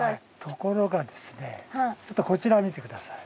ところがですねちょっとこちらを見て下さい。